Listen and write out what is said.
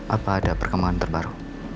apa ada perkembangan terbaru